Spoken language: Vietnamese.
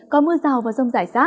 có mưa rào và rông rải rác